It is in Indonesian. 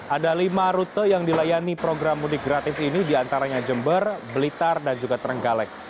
ada lima rute yang dilayani program mudik gratis ini diantaranya jember blitar dan juga trenggalek